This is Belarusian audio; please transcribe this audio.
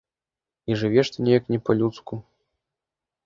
І жывеш ты неяк не па-людску.